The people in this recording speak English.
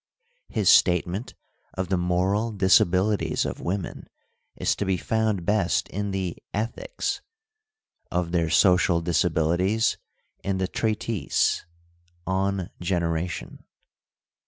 His statement of the moral disabilities of women is to be found best in the Ethics ; of their social disabilities in the treatise On Generation.